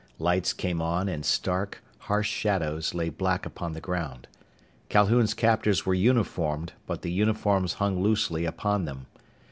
Lights came on, and stark, harsh shadows lay black upon the ground. Calhoun's captors were uniformed, but the uniforms hung loosely upon them.